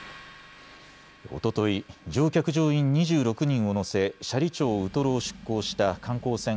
おととい、乗客・乗員２６人を乗せ斜里町ウトロを出港した観光船